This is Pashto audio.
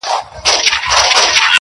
پلار چوپتيا کي عذاب وړي تل،